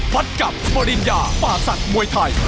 พัดกับปริญญาป่าศักดิ์มวยไทย